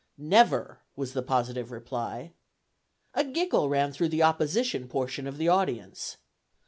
"Never!" was the positive reply. A giggle ran through the opposition portion of the audience.